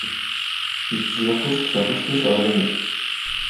Yettzuxxu s tkeṛṛust-is ɣlayen.